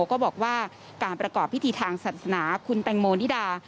ก็บอกว่าการประกอบพิธีทางศาสนาคุณแตงโมนิดา